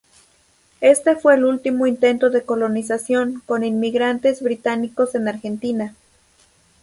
Este fue el último intento de 'colonización' con inmigrantes británicos en Argentina.